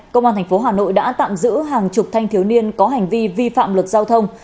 công an tp hà nội đã tạm giữ hàng chục thanh thiếu niên có hành vi vi phạm luật giao thông